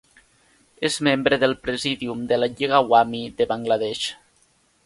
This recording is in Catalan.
És membre del Presidium de la Lliga Awami de Bangladesh.